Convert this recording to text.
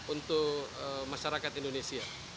untuk masyarakat indonesia